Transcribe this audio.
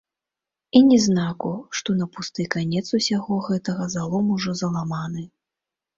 І ні знаку, што на пусты канец усяго гэтага залом ужо заламаны.